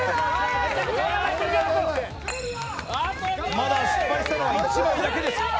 まだ失敗したのは１枚だけです。